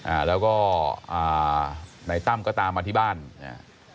อ่าแล้วก็อ่าในตั้มก็ตามมาที่บ้านอ่า